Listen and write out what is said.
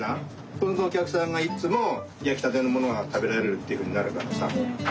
そうするとおきゃくさんがいっつもやきたてのものがたべられるっていうふうになるからさ。